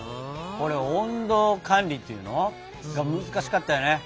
これ温度管理っていうの？が難しかったよね。